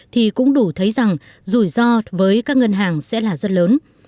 thì cũng đủ thấy rằng rủi ro với các ngân hàng sẽ là rất lớn